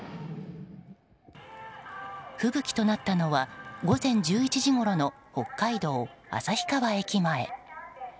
吹雪となったのは午前１１時ごろの北海道旭川駅前。